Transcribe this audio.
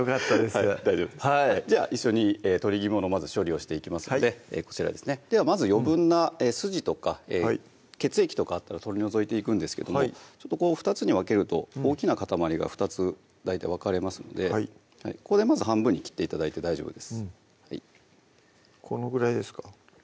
はい大丈夫ですじゃあ一緒に鶏肝のまず処理をしていきますのでこちらですねではまず余分な筋とか血液とかあったら取り除いていくんですけどもこう２つに分けると大きな塊が２つ大体分かれますのでこれまず半分に切って頂いて大丈夫ですこのぐらいですか？